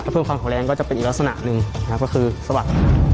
เพื่อเพิ่มความขอแรงก็จะเป็นอีกลักษณะหนึ่งครับก็คือสะบัด